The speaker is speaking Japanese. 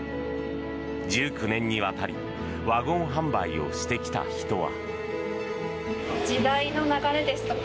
１９年にわたりワゴン販売をしてきた人は。